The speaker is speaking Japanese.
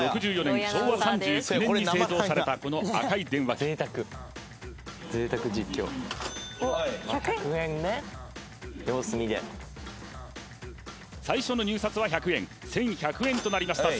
１９６４年昭和３９年に製造されたこの赤い電話機最初の入札は１００円１１００円となりました